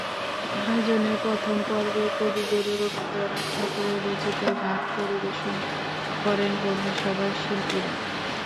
আয়োজনের প্রথম পর্বে কবিগুরু রবীন্দ্রনাথ ঠাকুরের রচিত গান পরিবেশন করেন বন্ধুসভার শিল্পীরা।